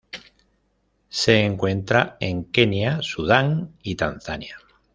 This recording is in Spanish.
Se encuentra en Kenia, Sudán y Tanzania.